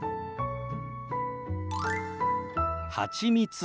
はちみつ。